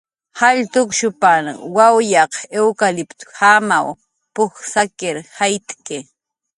"Jall tukshupan wawyaq iwkaliptjamaw p""uj sakir jayt'ki."